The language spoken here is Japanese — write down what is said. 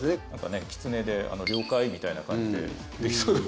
キツネで「了解」みたいな感じでできそう。